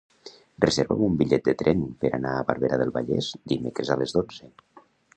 Reserva'm un bitllet de tren per anar a Barberà del Vallès dimecres a les dotze.